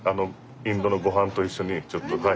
インドのごはんと一緒にちょっとはい。